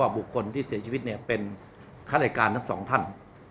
ว่าบุคลที่เสียชีวิตเนี่ยเป็นข้ารายการทั้ง๒ท่าน